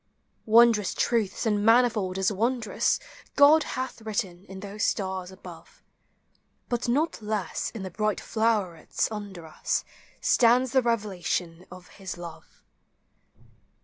Wondrous truths, and manifold as wondrous, God hath written in those stars above; But not less in the bright flowerets under us Stands the revelation of his love.